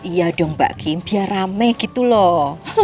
iya dong mbak kim biar rame gitu loh